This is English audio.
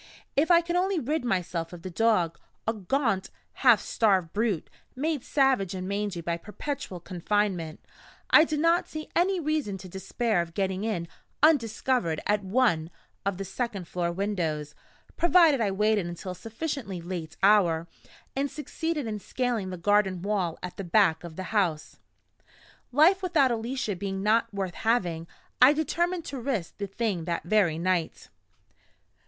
If I could only rid myself of the dog a gaunt, half starved brute, made savage and mangy by perpetual confinement I did not see any reason to despair of getting in undiscovered at one of the second floor windows provided I waited until a sufficiently late hour, and succeeded in scaling the garden wall at the back of the house. Life without Alicia being not worth having, I determined to risk the thing that very night.